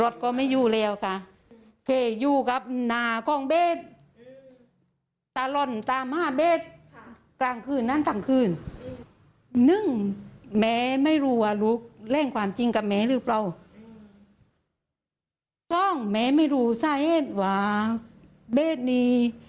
ฟองแม่ไม่รู้ส่ะเห็นว่าเบสนี่